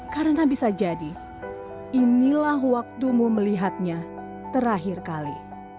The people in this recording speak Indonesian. karena bisa jadi inilah waktumu melihatnya terakhir kali